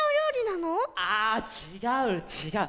ああちがうちがう。